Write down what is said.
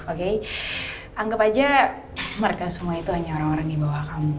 oke anggap aja mereka semua itu hanya orang orang di bawah kamu